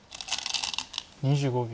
２５秒。